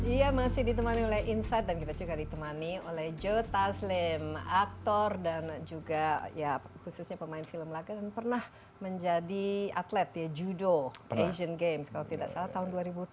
iya masih ditemani oleh insight dan kita juga ditemani oleh joe taslim aktor dan juga ya khususnya pemain film laga dan pernah menjadi atlet ya judo asian games kalau tidak salah tahun dua ribu tujuh